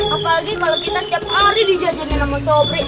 apalagi kalau kita setiap hari dijajanin sama sobri